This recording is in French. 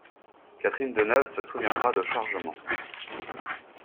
Catherine Deneuve se souviendra de chargements.